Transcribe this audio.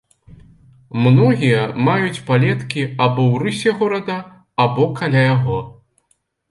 Многія маюць палеткі або ў рысе горада, або каля яго.